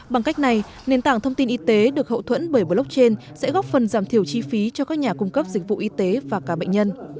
bằng cách này nền tảng thông tin y tế được hậu thuẫn bởi blockchain sẽ góp phần giảm thiểu chi phí cho các nhà cung cấp dịch vụ y tế và cả bệnh nhân